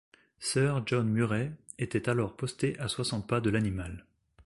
Sir John Murray était alors posté à soixante pas de l’animal.